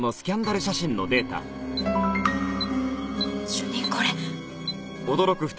主任これ。